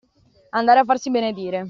Andare a farsi benedire.